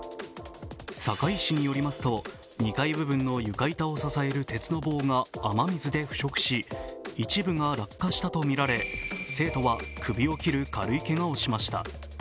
堺市によりますと、２階部分の床板を支える鉄の棒が雨水で腐食し一部が落下したとみられ、生徒は首を切る軽いけがをしました。